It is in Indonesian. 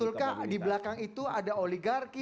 betulkah di belakang itu ada oligarki